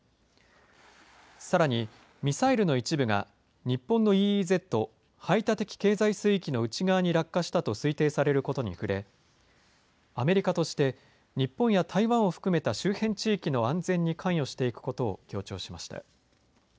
さらに、ミサイルの一部が日本のＥＥＺ・排他的経済水域の内側に落下したと推定されることに触れ、アメリカとして、日本や台湾を含めた周辺地域の安全に関与していくことを強調しました。